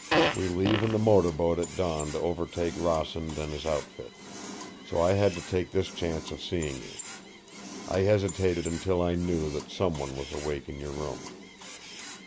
We leave in the motor boat at dawn to overtake Rossand and his outfit, so I had to take this chance of seeing you. I hesitated until I knew that some one was awake in your room."